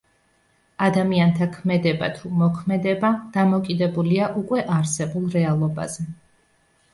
ადამიანთა ქმედება თუ მოქმედება, დამოკიდებულია უკვე არსებულ რეალობაზე.